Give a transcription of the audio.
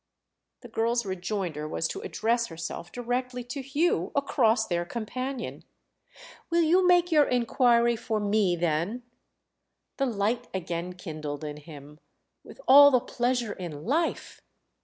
The girl's rejoinder was to address herself directly to Hugh, across their companion. "Will you make your inquiry for me then?" The light again kindled in him. "With all the pleasure in life!"